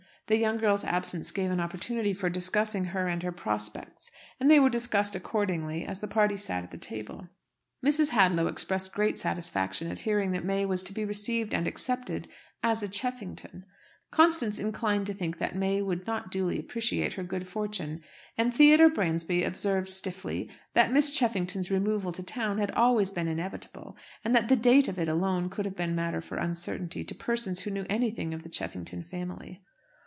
The young girl's absence gave an opportunity for discussing her and her prospects; and they were discussed accordingly, as the party sat at table. Mrs. Hadlow expressed great satisfaction at hearing that May was to be received and accepted "as a Cheffington;" Constance inclined to think that May would not duly appreciate her good fortune; and Theodore Bransby observed stiffly, that Miss Cheffington's removal to town had always been inevitable, and that the date of it alone could have been matter for uncertainty to persons who knew anything of the Cheffington family.